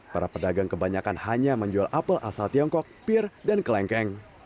para pedagang kebanyakan hanya menjual apel asal tiongkok pir dan kelengkeng